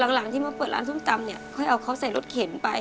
หลังที่มาเปิดร้านส้มตำเนี่ยค่อยเอาเขาใส่รถเข็นไป